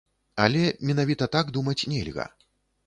Але менавіта так думаць нельга.